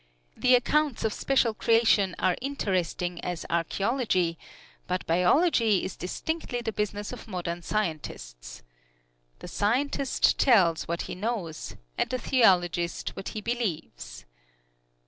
The accounts of special creation are interesting as archeology, but biology is distinctly the business of modern scientists. The scientist tells what he knows, and the theologist what he believes."